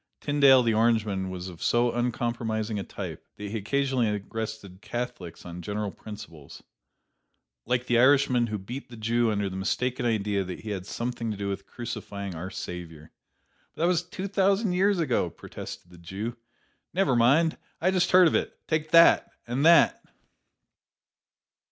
Tyndale the Orangeman was of so uncompromising a type that he occasionally arrested Catholics on general principles, like the Irishman who beat the Jew under the mistaken idea that he had something to do with crucifying "Our Savior." "But that was two thousand years ago," protested the Jew. "Niver moind; I just heard av it take that and that!"